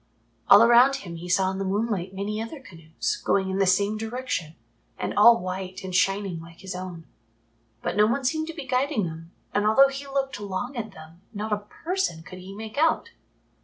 All around him he saw in the moonlight many other canoes going in the same direction and all white and shining like his own. But no one seemed to be guiding them, and although he looked long at them not a person could he make out.